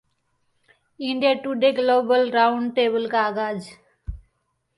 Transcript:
India today global round table का आगाज